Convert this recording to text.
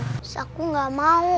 terus aku gak mau